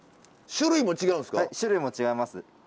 種類も違います。